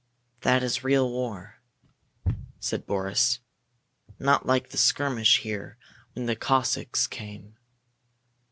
"That is real war," said Boris. "Not like the skirmish here when the Cossacks came."